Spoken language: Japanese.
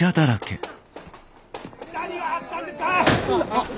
・何があったんですか！